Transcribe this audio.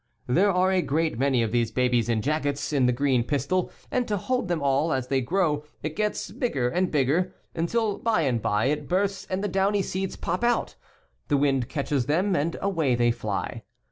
There are a great many of these babies in jackets ^^^ m the green pistil ind to hold them all as thuj grow, it gets bigger and bigger, until by and by it bursts and the downy seeds pop out (Fig. 8). The wind catches them and away they fly.